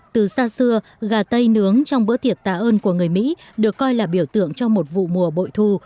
từ xa xưa gà tây nướng trong bữa tiệc tạ ơn của người mỹ được coi là biểu tượng cho một vụ mùa bội thu